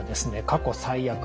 「過去最悪！